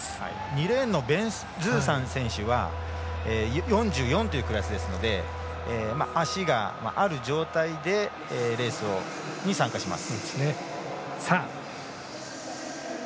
ベンズーザンは４４というクラスですので足がある状態でレースに参加します。